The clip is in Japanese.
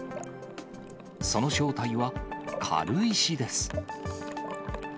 その正体は、軽石です。